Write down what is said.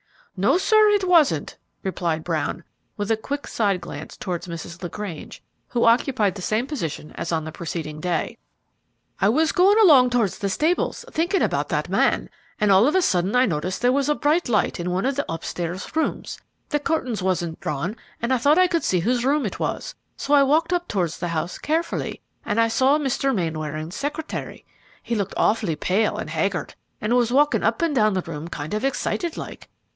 "No, sir; it wasn't," replied Brown, with a quick side glance towards Mrs. LaGrange, who occupied the same position as on the preceding day. "I was going along towards the stables, thinking about that man, and all of a sudden I noticed there was a bright light in one of the rooms up stairs. The curtains wasn't drawn, and I thought I'd see whose room it was, so I walked up towards the house carefully, and I saw Mr. Mainwaring's secretary. He looked awfully pale and haggard, and was walking up and down the room kind of excited like.